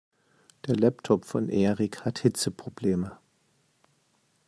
Der Laptop von Erik hat Hitzeprobleme.